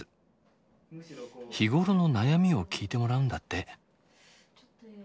日頃の悩みを聞いてもらうんだって。